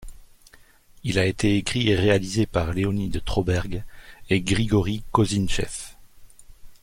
Il a été écrit et réalisé par Leonid Trauberg et Grigori Kozintsev.